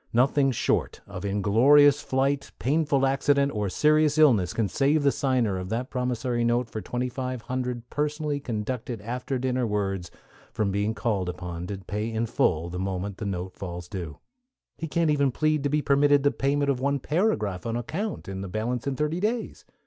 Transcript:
Nothing short of inglorious flight, painful accident, or serious illness, can save the signer of that promissory note for twenty five hundred personally conducted after dinner words from being called upon to pay in full the moment the note falls due. He can't even plead to be permitted the payment of one paragraph on account, and the balance in thirty days.